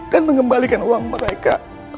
dan mengembalikan uang mereka